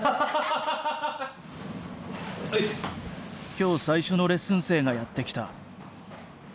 今日最初のレッスン生がやって来た。